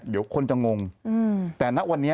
เดี๋ยวคนจะงงแต่ณวันนี้